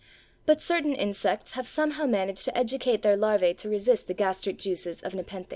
But certain insects have somehow managed to educate their larvæ to resist the gastric juices of Nepenthes.